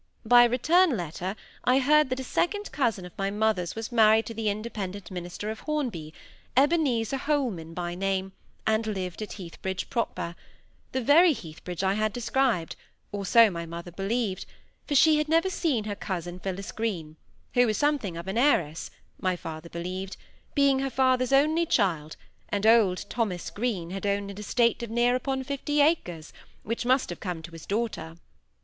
By return letter, I heard that a second cousin of my mother's was married to the Independent minister of Hornby, Ebenezer Holman by name, and lived at Heathbridge proper; the very Heathbridge I had described, or so my mother believed, for she had never seen her cousin Phillis Green, who was something of an heiress (my father believed), being her father's only child, and old Thomas Green had owned an estate of near upon fifty acres, which must have come to his daughter.